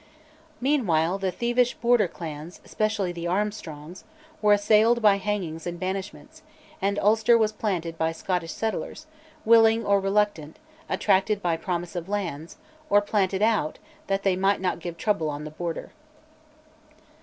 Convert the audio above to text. Meanwhile the thievish Border clans, especially the Armstrongs, were assailed by hangings and banishments, and Ulster was planted by Scottish settlers, willing or reluctant, attracted by promise of lands, or planted out, that they might not give trouble on the Border.